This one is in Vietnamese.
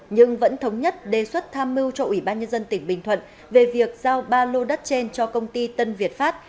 nhưng vẫn thống nhất đề xuất tham mưu cho ubnd tỉnh bình thuận về việc giao ba lô đất trên cho công ty tân việt pháp